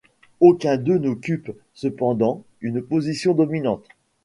Aucun d’eux n’occupe, cependant, une position dominante.